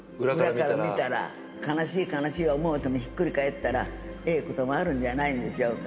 裏から見たら悲しい、悲しい、ひっくり返ったらええこともあるんじゃないんでしょうか。